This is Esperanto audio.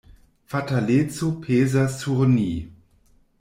Fataleco pezas sur ni.